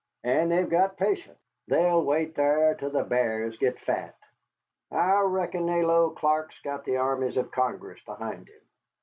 And they've got patience, they'll wait thar till the b'ars git fat. I reckon they 'low Clark's got the armies of Congress behind him.